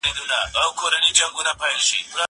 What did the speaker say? زه پرون سبزېجات وچوم وم.